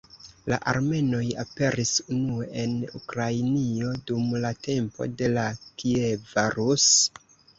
La armenoj aperis unue en Ukrainio dum la tempo de la Kieva Rus.